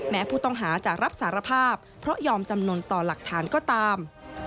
แม้ผู้ต้องหาจะรับสารภาพเพราะยอมจำนวนต่อหลักฐานก็ตาม